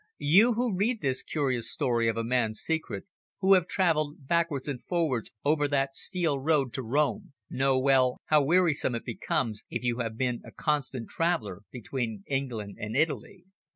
You, who read this curious story of a man's secret, who have travelled backwards and forwards over that steel road to Rome, know well how wearisome it becomes, if you have been a constant traveller between England and Italy.